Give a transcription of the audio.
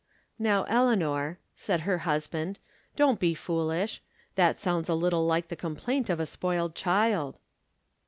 " Now, Eleanor," said her husband, " don't be foolish. That sounds a little like the complaint of a spoiled child."